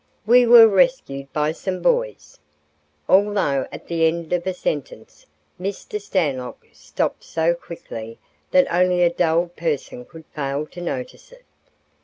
"We were rescued by some boys!" Although at the end of a sentence, Mr. Stanlock stopped so quickly that only a dull person could fail to notice it.